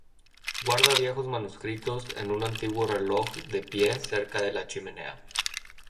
Guarda viejos manuscritos en un antiguo reloj de pie cerca de la chimenea.